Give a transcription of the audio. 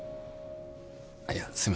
あっいやすいません。